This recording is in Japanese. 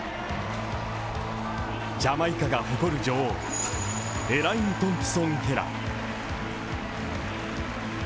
ジャマイカが誇る女王、エライン・トンプソン・ヘラ。